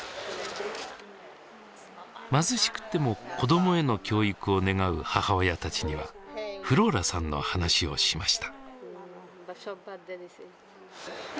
貧しくても子どもへの教育を願う母親たちにはフローラさんの話をしました。